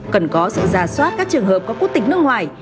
cần có sự giả soát các trường hợp có quốc tịch nước ngoài